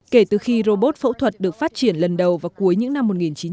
kể từ khi robot phẫu thuật được phát triển lần đầu vào cuối những năm một nghìn chín trăm bảy mươi